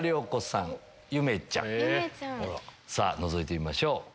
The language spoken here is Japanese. さぁのぞいてみましょう。